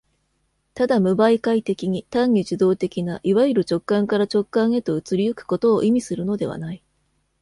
ただ無媒介的に、単に受働的ないわゆる直観から直観へと移り行くことを意味するのではない。